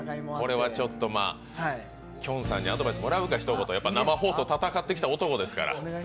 これはきょんさんにアドバイスもらうか、生放送戦ってきた男ですから。